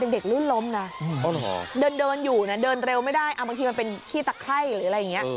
ลื่นล้มนะเดินอยู่นะเดินเร็วไม่ได้บางทีมันเป็นขี้ตะไข้หรืออะไรอย่างนี้